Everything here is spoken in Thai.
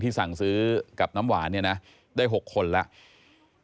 สั่งซื้อกับน้ำหวานเนี่ยนะได้๖คนแล้ว